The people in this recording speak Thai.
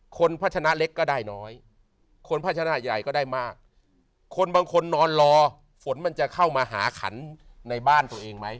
พัชนะเล็กก็ได้น้อยคนพัชนะใหญ่ก็ได้มากคนบางคนนอนรอฝนมันจะเข้ามาหาขันในบ้านตัวเองไหม